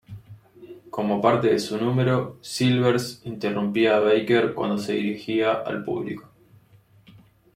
Como parte de su número, Silvers interrumpía a Baker cuando se dirigía al público.